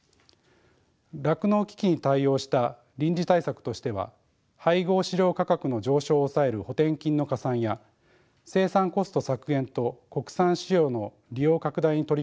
酪農危機に対応した臨時対策としては配合飼料価格の上昇を抑える補填金の加算や生産コスト削減と国産飼料の利用拡大に取り組む酪農家への支援。